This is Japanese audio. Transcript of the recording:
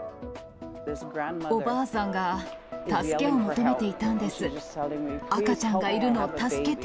おばあさんが助けを求めていたんです。